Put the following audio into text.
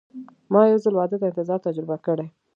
ما یو ځل واده ته انتظار تجربه کړی.